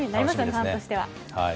ファンとしては。